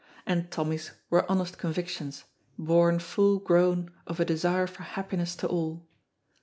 And Tommy's were honest convictions, born full grown of a desire for happiness to all.